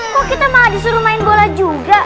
kok kita malah disuruh main bola juga